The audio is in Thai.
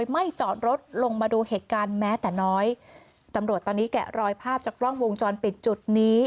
ไม่จอดรถลงมาดูเหตุการณ์แม้แต่น้อยตำรวจตอนนี้แกะรอยภาพจากกล้องวงจรปิดจุดนี้